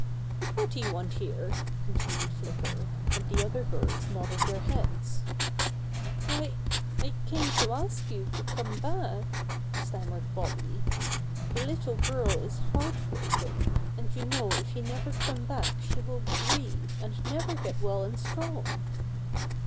"But what do you want here?" continued Flicker, and the other birds nodded their heads. "Why, I came to ask you to come back," stammered Bobby. "The little girl is heart Bobby Finds the Birds 113 broken, and you know if you never come back she will grieve and never get well and strong."